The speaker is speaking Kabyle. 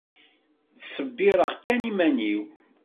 Ttsebbireɣ kan iman-iw.